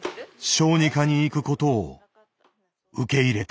小児科に行くことを受け入れた。